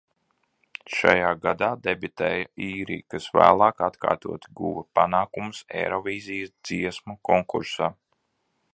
Šajā gadā debitēja Īrija, kas vēlāk atkārtoti guva panākumus Eirovīzijas dziesmu konkursā.